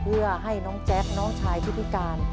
เพื่อให้น้องแจ๊คน้องชายผู้พิการ